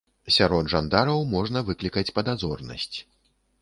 Сярод жандараў можна выклікаць падазронасць.